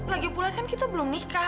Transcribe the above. lagi pula kan kita belum nikah